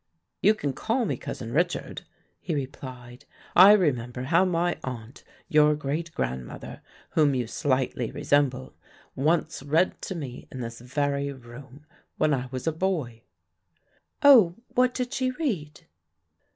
"You can call me Cousin Richard," he replied. "I remember how my aunt, your great grandmother, whom you slightly resemble, once read to me in this very room, when I was a boy." "Oh, what did she read?"